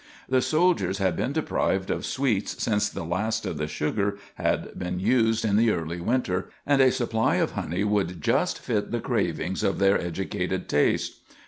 The soldiers had been deprived of sweets since the last of the sugar had been used, in the early winter, and a supply of honey would just fit the cravings of their educated taste.